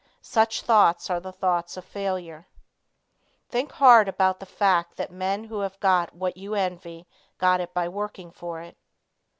Such thoughts are the thoughts of failure. Think hard about the fact that men who have got what you envy got it by working for it.